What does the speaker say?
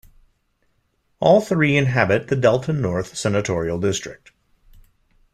All three inhabit the Delta North senatorial district.